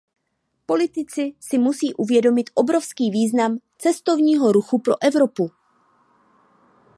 Politici si musí uvědomit obrovský význam cestovního ruchu pro Evropu.